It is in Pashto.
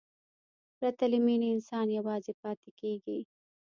پرته له مینې، انسان یوازې پاتې کېږي.